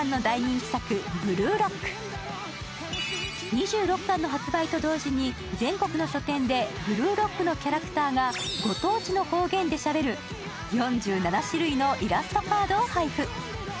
２６巻の発売と同時に全国の書店で「ブルーロック」のキャラクターがご当地の方言でしゃべる４７種類のイラストカードを配布。